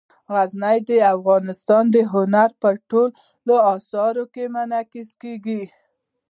غزني د افغانستان د هنر په ټولو اثارو کې منعکس کېږي.